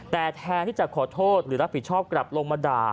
แต่แทนที่จะขอโทษหรือรับผิดชอบกลับลงมาด่า